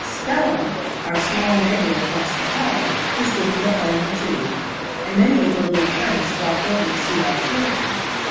Stella, our small neighbor across the hall, was giving a party, too, and many of her little friends flocked over to see our children.